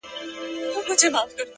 هغه خپه دی- هغه چم د شناخته نه کوي-